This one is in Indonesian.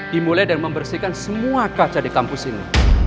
dimulai dari membersihkan semua kaca di kampus ini